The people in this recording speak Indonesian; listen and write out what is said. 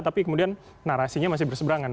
tapi kemudian narasinya masih berseberangan